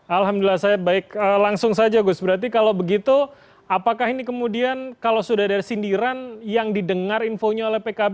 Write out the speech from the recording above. alhamdulillah saya baik langsung saja gus berarti kalau begitu apakah ini kemudian kalau sudah ada sindiran yang didengar infonya oleh pkb